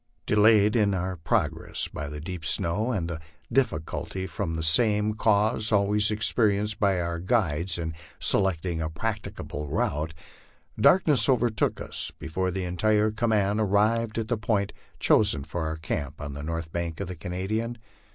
Delayed in our progress by the deep snow and the difficulty from the same cause always experienced by our guides in se lecting a practicable route, darkness overtook us before the entire command ar rived at the point chosen for our camp on the north bank of the Canadian.